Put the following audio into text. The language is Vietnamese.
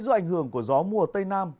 dù ảnh hưởng của gió mùa tây nam